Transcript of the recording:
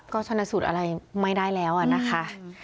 ก็ชนะสูตรอะไรไม่ได้แล้วนะคะ